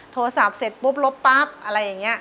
โทรศัพท์เสร็จปุ๊บลบปั๊บอะไรอย่างนี้